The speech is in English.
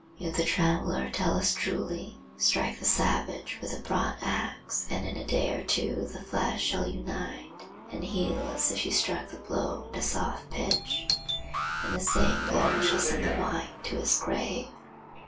If the traveller tell us truly, strike the savage with a broad axe and in a day or two the flesh shall unite and heal as if you struck the blow into soft pitch, and the same blow shall send the white to his grave.